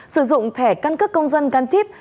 sử dụng thẻ căn cước công dân gắn chip